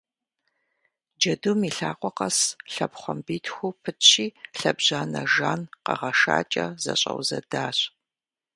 Джэдум и лъакъуэ къэс лъэпхъуамбитху пытщи лъэбжьанэ жан къэгъэшакӏэ зэщӏэузэдащ.